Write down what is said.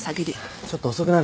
ちょっと遅くなると思う。